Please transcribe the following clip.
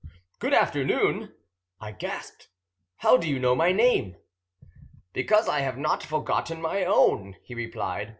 "Good afternoon!" I gasped. "How do you know my name?" "Because I have not forgotten my own," he replied.